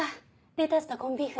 レタスとコンビーフで。